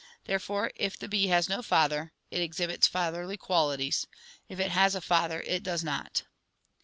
Therefore if the bee has no father, it exhibits fatherly qualities; if it has a father, it does not.